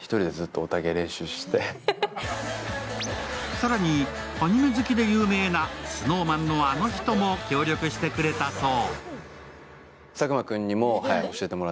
更にアニメ好きで有名なＳｎｏｗＭａｎのあの人も協力してくれたそう。